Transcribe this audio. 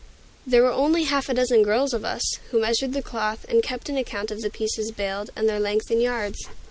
There were only half a dozen girls of us, who measured the cloth, and kept an account of the pieces baled, and their length in yards.